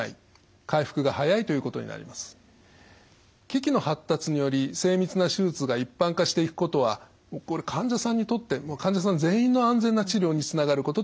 機器の発達により精密な手術が一般化していくことは患者さんにとって患者さん全員の安全な治療につながることと思います。